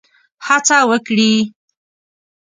هڅه وکړي.